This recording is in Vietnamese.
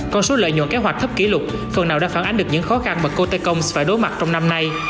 con số lợi nhuận kế hoạch thấp kỷ lục phần nào đã phản ánh được những khó khăn mà cotecoms phải đối mặt trong năm nay